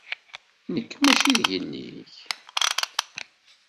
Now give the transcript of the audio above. Nekk maci d yelli-k.